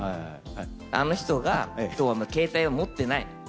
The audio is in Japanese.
あの人が携帯を持ってない。